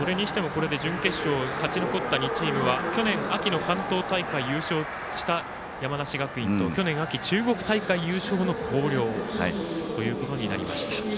それにしても、これで準決勝、勝ち残った２チームは去年秋の関東大会、優勝した山梨学院と去年秋、中国大会優勝の広陵となりました。